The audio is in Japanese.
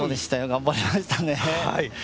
頑張りましたね。